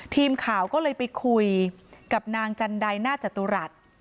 ทีมข่าวก็เลยไปคุยกับนางจันไดหน้าจตุรัส